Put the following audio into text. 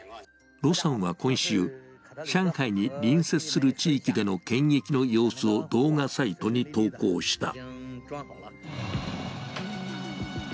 呂さんは今週、上海に隣接する地域での検疫の様子を動画サイトに投稿した。